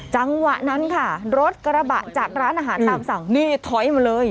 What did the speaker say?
จังหวะนั้นค่ะรถกระบะจากร้านอาหารตามสั่งนี่ถอยมาเลย